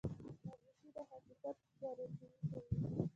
خاموشي، د حقیقت ښکارندویي کوي.